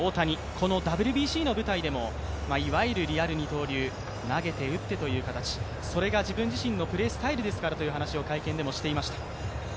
このＷＢＣの舞台でもいわゆるリアル二刀流、投げて打ってという形、それが自分自身のプレースタイルですからという話を会見でもしていました。